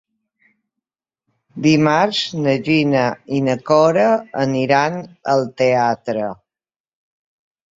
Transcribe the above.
Dimarts na Gina i na Cora aniran al teatre.